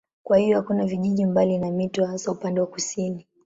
Kwa hiyo hakuna vijiji mbali na mito hasa upande wa kusini.